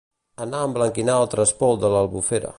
Anar a emblanquinar el trespol de l'Albufera.